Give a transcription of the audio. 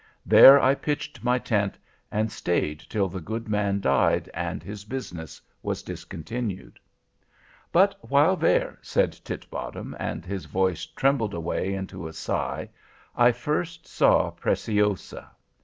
There I pitched my tent, and stayed till the good man died, and his business was discontinued. "But while there," said Titbottom, and his voice trembled away into a sigh, "I first saw Preciosa.